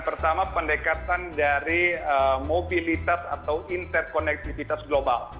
pertama pendekatan dari mobilitas atau interkonektivitas global